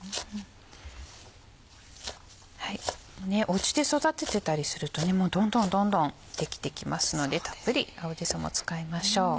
うちで育ててたりするとどんどんどんどん出来てきますのでたっぷり青じそも使いましょう。